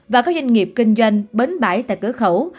và các doanh nghiệp kinh doanh bến bãi tại cửa khẩu